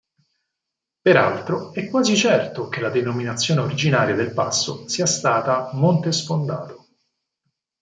Peraltro, è quasi certo che la denominazione originaria del passo sia stata "Monte Sfondato".